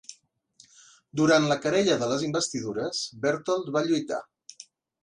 Durant la Querella de les Investidures, Bertold va lluitar.